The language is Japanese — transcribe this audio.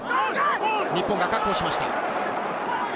日本が確保しました。